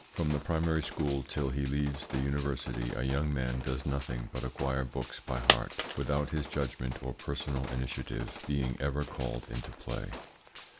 From the primary school till he leaves the university a young man does nothing but acquire books by heart without his judgment or personal initiative being ever called into play.